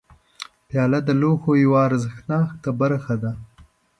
پیاله د لوښو یوه ارزښتناکه برخه ده.